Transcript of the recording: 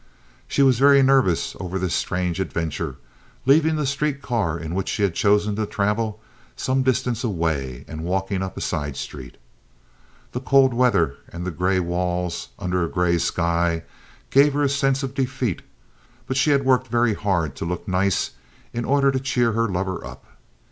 She was very nervous over this strange adventure, leaving the street car in which she had chosen to travel some distance away and walking up a side street. The cold weather and the gray walls under a gray sky gave her a sense of defeat, but she had worked very hard to look nice in order to cheer her lover up.